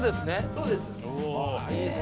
そうです。